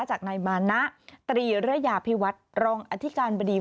จากนายมานะตรีเรื้อยาพิวัติรองอธิการบริษัท